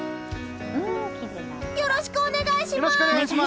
よろしくお願いします！